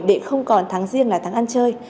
để không còn tháng riêng là tháng ăn chơi